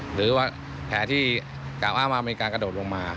หรือว่าแผลที่กลับอ้าวอเมริกากระโดดลงมา